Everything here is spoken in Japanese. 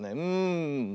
うん。